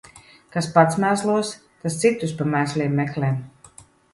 Kas pats mēslos, tas citus pa mēsliem meklē.